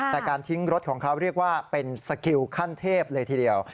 แต่การทิ้งรถของเขาเรียกว่าเป็นสกิลขั้นเทพเลยทีเดียว